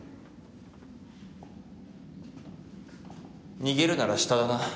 逃げるなら下だな。